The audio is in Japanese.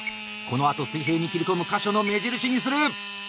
このあと水平に切り込む箇所の目印にする！